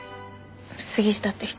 杉下って人。